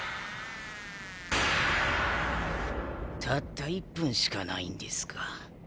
たった１分しかないんですか。